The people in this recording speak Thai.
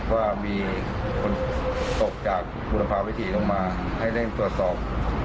ว่ามีคนตกจากบริษัทประกรมประโตกลงมาให้เร่งตรวจตอบ